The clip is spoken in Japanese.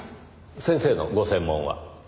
先生のご専門は？